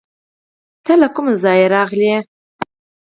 ته له کوم ځایه راغلې؟